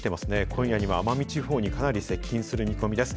今夜にも奄美地方にかなり接近する見込みです。